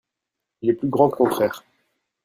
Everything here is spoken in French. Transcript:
Il est plus grand que ton frère.